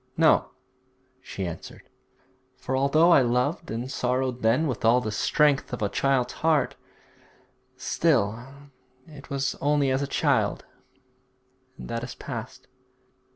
'No,' she answered; 'for although I loved and sorrowed then with all the strength of a child's heart, still it was only as a child, and that is past.'